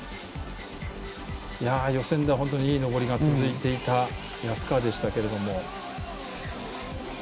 予選では本当にいい登りが続いていた安川でしたが。